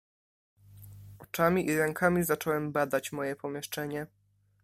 "Oczami i rękami zacząłem badać moje pomieszczenie."